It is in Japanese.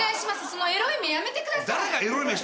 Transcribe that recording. そのエロい目やめてください。